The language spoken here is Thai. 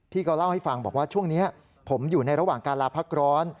ก็เล่าให้ฟังบอกว่าช่วงนี้ผมอยู่ในระหว่างการลาพักร้อน